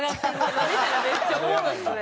今見たらめっちゃおもろいですね。